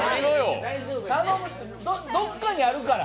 どっかにあるから！